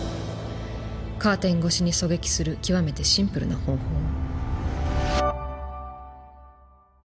カーテン越しに狙撃する極めてシンプルな方法を。